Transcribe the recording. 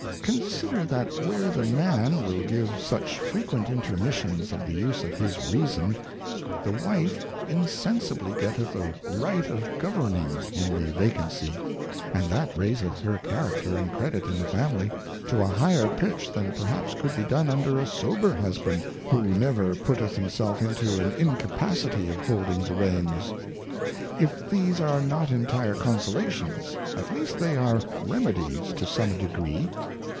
Consider, that where the Man will give such frequent Inter missions of the use of his Reason, the Wife insensibly getteth a Right of Governing in the Vacancy, and that raiseth her Character and Credit in the Family, to a higher pitch than perhaps could be done under a sober Husband, who never put teth himself into an Incapacity of holdings the Reins. If these are not intire Consolations, at least they are Remedies to some Degree.